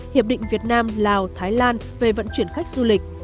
hiệp định việt nam lào thái lan về vận chuyển khách du lịch